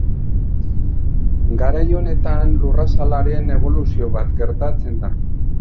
Garai honetan lurrazalaren eboluzio bat gertatzen da.